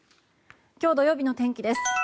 今日土曜日の天気です。